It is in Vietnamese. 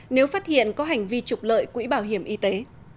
nếu phát hiện có hành vi trục lợi quỹ bảo hiểm y tế